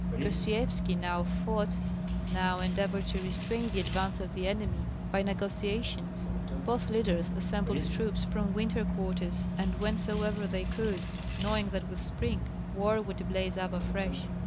Gosyevski now fought, now endeavored to restrain the advance of the enemy by negotiations; both leaders assembled troops from winter quarters and whencesoever they could, knowing that with spring war would blaze up afresh.